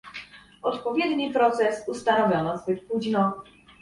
Odpowiedni proces ustanowiono zbyt późno